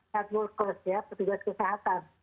health workers ya petugas kesehatan